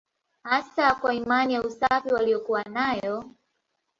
Hasa kwa imani ya usafi waliyokuwa nayo